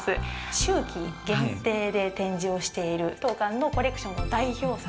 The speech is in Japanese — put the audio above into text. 秋季限定で展示をしている当館のコレクションの代表作